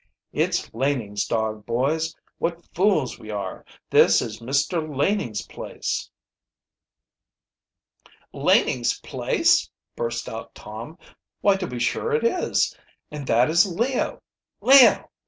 "It's Laning's dog, boys. What fools we are! This is Mr. Laning's place." "Laning's place," burst out Tom. "Why, to be sure it is. And that is Leo! Leo!